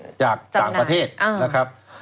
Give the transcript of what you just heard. ลิขสิทธิ์จากต่างประเทศนะครับ